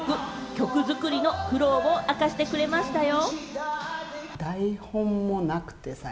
曲作りの苦労を明かしてくれましたよ。